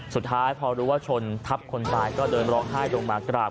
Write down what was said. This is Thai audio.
สุดท้ายพอรู้ว่าชนทับคนตายก็เดินร้องไห้ลงมากราบ